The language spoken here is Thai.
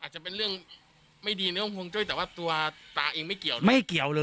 อาจจะเป็นเรื่องไม่ดีแต่ว่าตัวตาแตลงมันไม่เกี่ยว